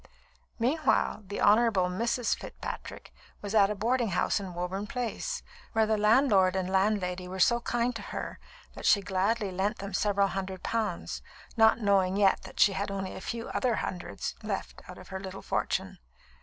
Meanwhile, the Honourable Mrs. Fitzpatrick was at a boarding house in Woburn Place, where the landlord and landlady were so kind to her that she gladly lent them several hundred pounds, not knowing yet that she had only a few other hundreds left out of her little fortune.